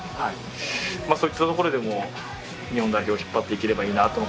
まあそういったところでも日本代表を引っ張っていければいいなと。